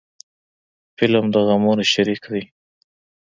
فلم د غمونو شریک دی